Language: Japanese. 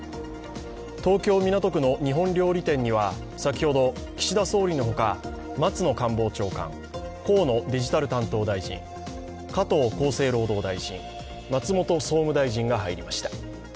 東京・港区の日本料理店には先ほど、岸田総理の他、松野官房長官、河野デジタル大臣、加藤厚生労働大臣松本総務大臣が入りました。